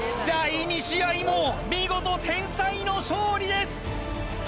第２試合も見事天才の勝利です